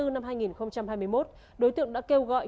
năm hai nghìn hai mươi một đối tượng đã kêu gọi